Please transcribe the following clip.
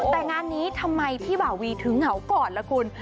แต่งานนี้ทำไมพี่บ่าวีถึงเหงาก่อนล่ะคุณ